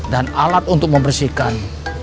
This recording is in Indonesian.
dan alat untuk membersihkan